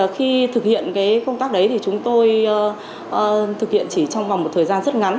khi thực hiện công tác đấy thì chúng tôi thực hiện chỉ trong vòng một thời gian rất ngắn